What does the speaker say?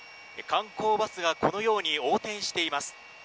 観光バスがこのように横転しています。